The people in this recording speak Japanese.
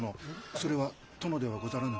それは殿ではござらぬ。